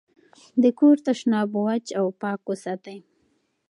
د کور تشناب وچ او پاک وساتئ.